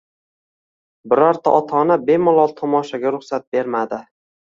Birorta ota-ona bemolol tomoshaga ruxsat bermadi